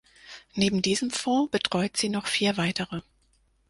Neben diesem Fonds betreut sie noch vier weitere.